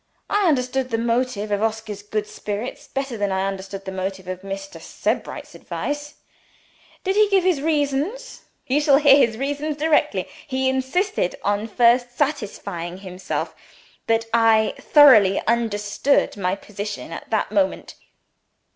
I understood the motive of Oscar's good spirits, better than I understood the motive of Mr. Sebright's advice. "Did he give his reasons?" I asked. "You shall hear his reasons directly. He insisted on first satisfying himself that I thoroughly understood my position at that moment.